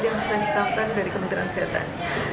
yang sudah ditampan dari kementerian sehatan